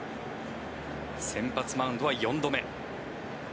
先発マウンドは４度目。